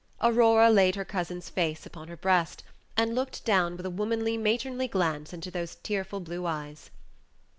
Aurora laid her cousin's face upon her breast, and looked down with a womanly, matronly glance into those tearful blue eyes.